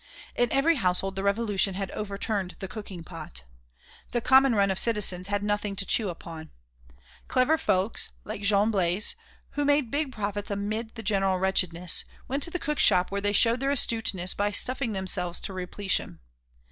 In every household the Revolution had overturned the cooking pot. The common run of citizens had nothing to chew upon. Clever folks like Jean Blaise, who made big profits amid the general wretchedness, went to the cookshop where they showed their astuteness by stuffing themselves to repletion.